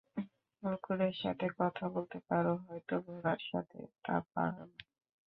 কুকুরের সাথে কথা বলতে পারো, হয়তো ঘোড়ার সাথে তা পারো না।